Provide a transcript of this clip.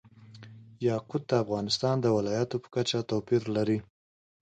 یاقوت د افغانستان د ولایاتو په کچه توپیر لري.